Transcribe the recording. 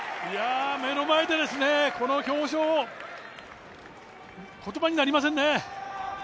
目の前でこの表彰を言葉になりませんね。